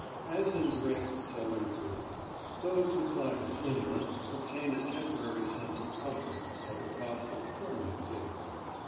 As in drink, so in food. Those who fly to stimulants obtain a temporary sense of comfort at the cost of permanent vigour.